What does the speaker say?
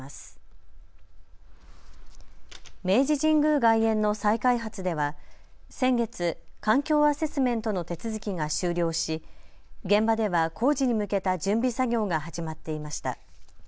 外苑の再開発では先月、環境アセスメントの手続きが終了し、現場では工事に向けた準備作業が始まっていました。